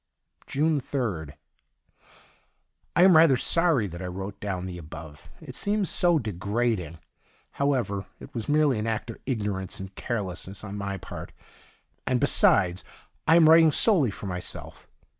June Srd. — I am rather sorry that I wrote down the above. It seems so degrading. Howevei', it was merely an act of ignorance and cai'e lessness on my part, and, besides, I am writing solely for myself.